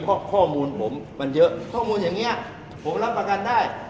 เพราะข้อมูลผมมันเยอะข้อมูลอย่างนี้ผมรับประกันได้